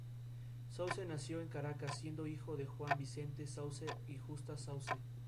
Poseía un foso seco como complemento a su defensa.